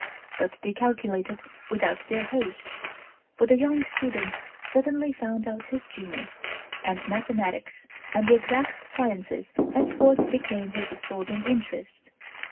But they calculated without their host; for the young student suddenly found out his genius, and mathematics and the exact sciences henceforth became his absorbing interests.